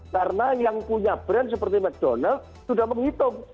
karena yang punya brand seperti mcdonald sudah menghitung